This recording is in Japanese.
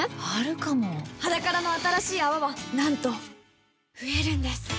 あるかも「ｈａｄａｋａｒａ」の新しい泡はなんと増えるんです